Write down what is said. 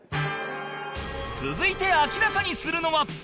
続いて明らかにするのは